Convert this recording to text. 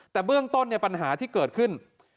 แต่เบื้องต้นปัญหาที่เกิดขึ้น